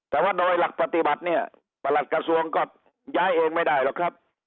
แต่ว่าโดยหลักปฏิบัติเนี่ยประหลัดกระทรวงก็ย้ายเองไม่ได้หรอกครับ